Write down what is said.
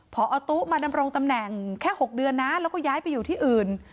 พอตู้มาดำรงตำแหน่งแค่๖เดือนนะแล้วก็ย้ายไปอยู่ที่อื่น